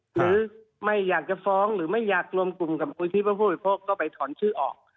หรือไม่อยากจะฟ้องหรือไม่อยากรวมกลุ่มกับผู้ที่ว่าผู้บริโภคก็ไปถอนชื่อออก